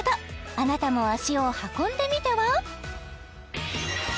あなたも足を運んでみては？